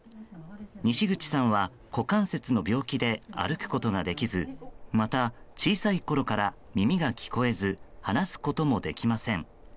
西口さんは、股関節の病気で歩くことができずまた、小さいころから耳が聞こえず話すこともできません。